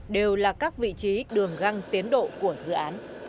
đều là các vị trí đường găng tiến độ của dự án